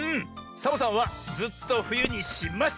サボさんはずっとふゆにします！